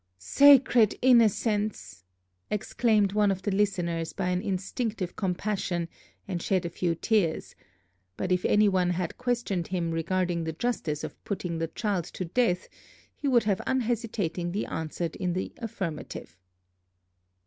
"Sacred innocence!" exclaimed one of the listeners by an instinctive compassion, and shed a few tears; but if any one had questioned him regarding the justice of putting the child to death, he would have unhesitatingly answered in the affirmative.